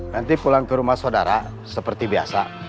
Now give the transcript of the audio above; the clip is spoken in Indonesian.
nanti pulang ke rumah saudara seperti biasa